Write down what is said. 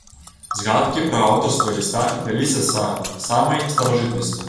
Згадкі пра аўтарства ліста вяліся са самай старажытнасці.